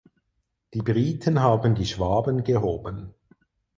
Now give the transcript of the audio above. Die Briten haben die "Schwaben" gehoben.